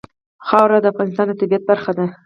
خاوره د افغانستان د طبیعت برخه ده.